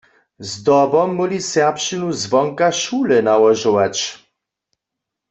Zdobom móhli serbšćinu zwonka šule nałožować.